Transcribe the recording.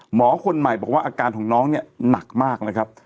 หมอคนใหม่บอกว่าอาการของน้องเนี่ยหนักมากนะครับ